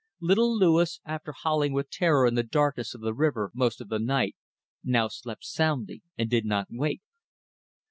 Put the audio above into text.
Little Louis, after howling with terror in the darkness of the river most of the night, now slept soundly and did not wake.